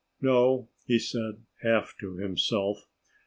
"No!" he said, half to himself.